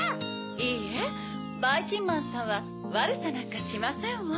いいえばいきんまんさんはわるさなんかしませんわ。